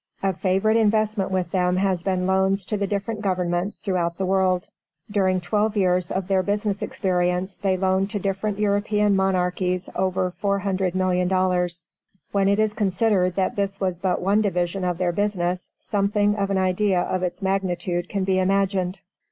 A favorite investment with them has been loans to the different Governments throughout the world. During twelve years of their business experience they loaned to different European Monarchies over $400,000,000. When it is considered that this was but one division of their business, something of an idea of its magnitude can be imagined.